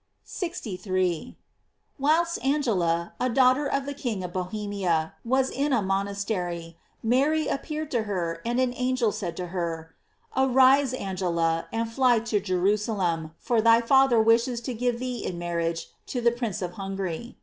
f 63. — Whilst Angela, a daughter of the King of Bohemia, was in a monastery, Mary appeared to her, and an angel said to her: "Arise, Angela, and fly to Jerusalem, for thy father wishes to give thee in marriage to the prince of Hungary."